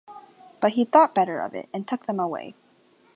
But he thought better of it, and took them away.